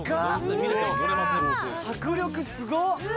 迫力すごっ